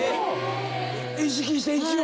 意識して一応。